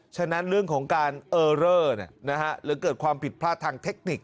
ฉะนั้นเรื่องของการเออเรอร์หรือเกิดความผิดพลาดทางเทคนิค